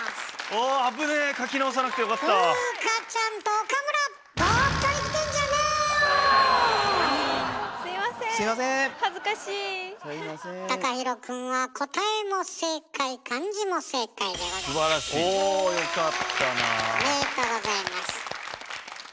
おめでとうございます。